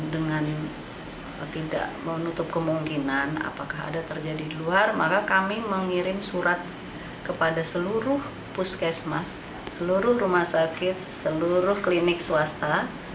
dengan tidak menutup kemungkinan apakah ada terjadi di luar maka kami mengirim surat kepada seluruh puskesmas seluruh rumah sakit seluruh klinik swasta